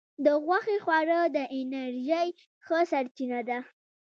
د غوښې خواړه د انرژی ښه سرچینه ده.